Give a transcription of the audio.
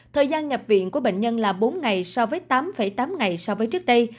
thời gian nhập viện của bệnh nhân là bốn ngày so với tám tám ngày so với trước đây